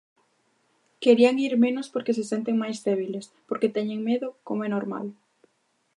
Querían ir menos porque se senten máis débiles, porque teñen medo, como é normal.